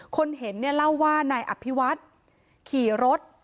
คนเห็นเนี่ยเล่าว่านายอภิวัฒน์ขี่รถ